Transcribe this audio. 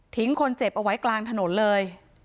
คนเจ็บเอาไว้กลางถนนเลย